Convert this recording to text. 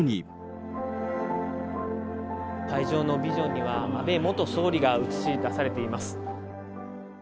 会場のビジョンには、安倍元総理が映し出されています。